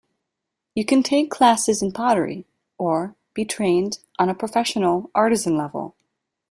You can take classes in pottery or be trained on a professional artisan level.